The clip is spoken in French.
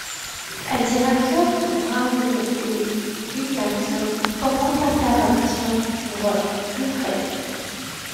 Un directeur de Brown & Williamson commence à faire pression sur Jeffrey.